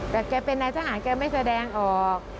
แต่แกเป็นนายทหารแกไม่แสดงออก